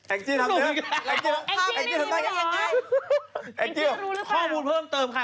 แองกิ้วไม่รู้หรอแองกิ้วรู้หรือเปล่าข้อมูลเพิ่มเติบค่ะ